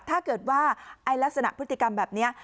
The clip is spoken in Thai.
ถ้าเกิดว่าลักษณะพฤติกรรมแบบนี้